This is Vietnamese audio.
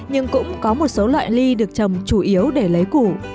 nhưng cũng có một số loại ly được trồng chủ yếu để lấy củ